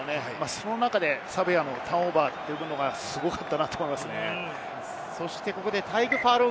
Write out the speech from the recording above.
その中でサヴェアのターンオーバー、すごかったと思いますね。